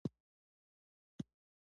زړه د مهربانۍ نښه ده.